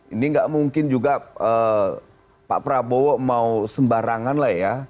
ini nggak mungkin juga pak prabowo mau sembarangan lah ya